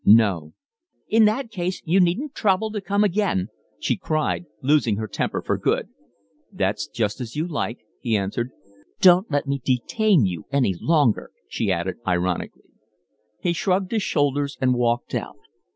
"No." "In that case you needn't trouble to come again," she cried, losing her temper for good. "That's just as you like," he answered. "Don't let me detain you any longer," she added ironically. He shrugged his shoulders and walked out.